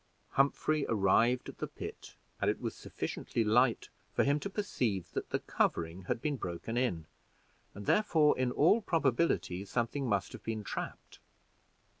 Humphrey arrived at the pit, and it was sufficiently light for him to perceive that the covering had been broken in, and therefore, in all probability, something must have been trapped.